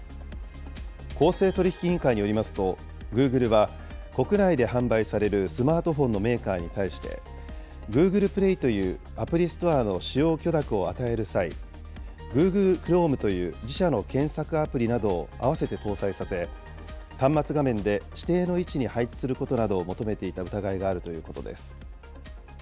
公正取引委員会によりますと、グーグルは国内で販売されるスマートフォンのメーカーに対して、ＧｏｏｇｌｅＰｌａｙというアプリストアの使用許諾を与える際、ＧｏｏｇｌｅＣｈｒｏｍｅという自社の検索アプリなどを合わせて搭載させ、端末画面で指定の位置に配置することなどを求めていた疑いがあるということです。